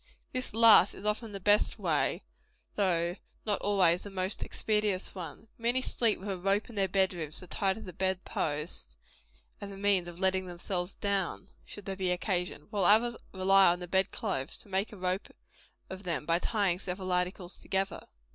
This last is often the best way, though not always the most expeditious one. Many sleep with a rope in their bed rooms to tie to the bed post, as a means of letting themselves down, should there be occasion; while others rely on the bed clothes to make a rope of them by tying several articles together.